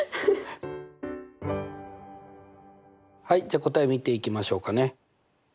はいじゃ答え見ていきましょうかね。